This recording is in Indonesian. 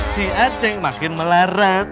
si aceng makin meleret